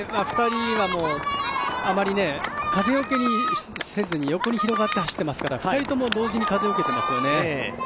２人はあまり風よけにせずに横に広がって走っていますから、２人とも同時に風を受けていますよね。